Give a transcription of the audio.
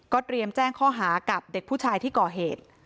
เตรียมแจ้งข้อหากับเด็กผู้ชายที่ก่อเหตุ